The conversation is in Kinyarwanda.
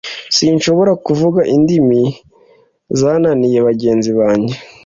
sinshobora kuvuga indimi znaniye bagenzi banjye